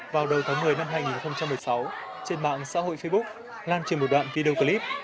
vào đầu tháng một mươi năm hai nghìn một mươi sáu trên mạng xã hội facebook lan trên một đoạn video clip